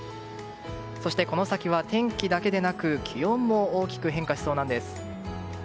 そして、この先は天気だけでなく気温も大きく変化しそうなんです。